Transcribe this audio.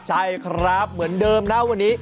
ใช่ครับเหมือนเดิมนะวันนี้